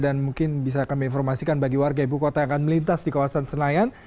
dan mungkin bisa kami informasikan bagi warga ibu kota akan melintas di kawasan senayan